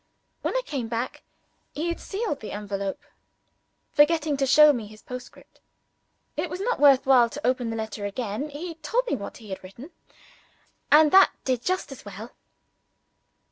When I came back, he had sealed the envelope forgetting to show me his postscript. It was not worth while to open the letter again; he told me what he had written, and that did just as well.